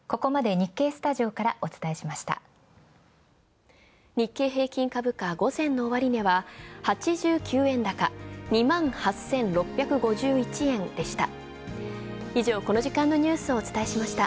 日経平均株価、午前の終値は８９円高２万８６５１円でした。